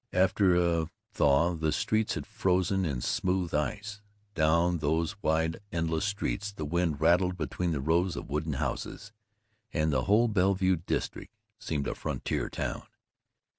After a thaw the streets had frozen in smooth ice. Down those wide endless streets the wind rattled between the rows of wooden houses, and the whole Bellevue district seemed a frontier town.